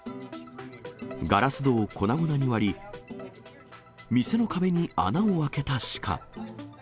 ガラス戸を粉々に割り、店の壁に穴を開けたシカ。